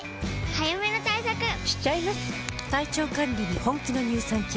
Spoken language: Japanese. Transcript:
早めの対策しちゃいます。